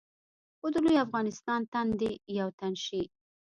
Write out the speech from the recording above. خو د لوی افغانستان تن دې یو تن شي.